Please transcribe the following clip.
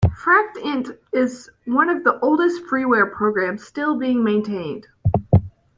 FractInt is one of the oldest freeware programs still being maintained.